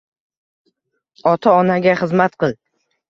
Ota-onaga xizmat qil.